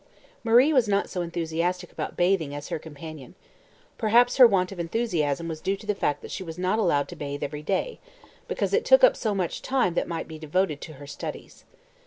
Marie was not so enthusiastic about bathing as her companion. Perhaps her want of enthusiasm was due to the fact that she was not allowed to bathe every day, because "it took up so much time that might be devoted to her studies."